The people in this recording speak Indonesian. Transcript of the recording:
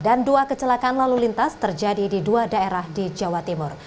dan dua kecelakaan lalu lintas terjadi di dua daerah di jawa timur